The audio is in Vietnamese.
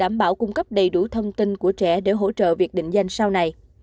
đảm bảo cung cấp đầy đủ thông tin của trẻ để hỗ trợ việc định danh sau này